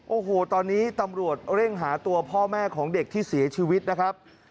โอ้โหตอนนี้ตำรวจเร่งหาตัวพ่อแม่ของเด็กที่เสียชีวิตนะครับ